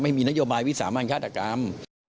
ไม่มีนโยบายวิสามันฆาตกรรม